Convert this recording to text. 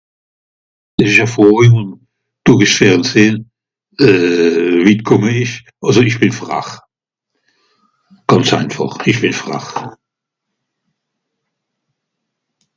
Dìs ìsch e Froj, wu dùrich d'Fernsehn... euh... witt kùmme ìsch. Àlso ìch bìn frach, gànz einfàch ! Ìch bìn frach.